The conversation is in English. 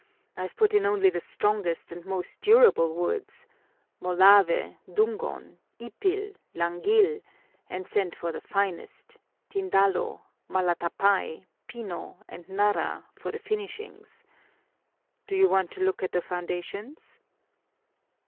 I've put in only the strongest and most durable woods molave, dungon, ipil, langil and sent for the finest tindalo, malatapay, pino, and narra for the finishings. Do you want to look at the foundations?"